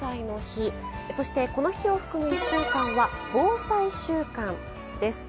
そしてこの日を含む１週間は防災週間です。